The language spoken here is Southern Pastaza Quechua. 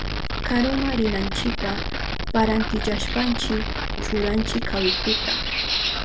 Karuma rinanchipa parantillashpanchi churanchi kawituta.